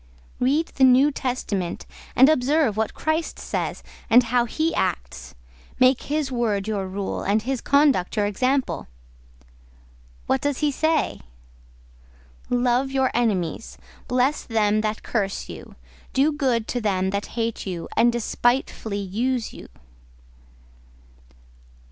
"Read the New Testament, and observe what Christ says, and how He acts; make His word your rule, and His conduct your example." "What does He say?" "Love your enemies; bless them that curse you; do good to them that hate you and despitefully use you."